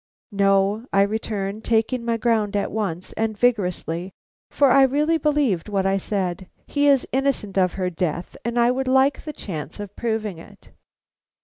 "No," I returned, taking my ground at once, and vigorously, for I really believed what I said. "He is innocent of her death, and I would like the chance of proving it."